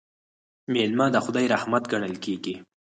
میلمه د خدای رحمت ګڼل کیږي.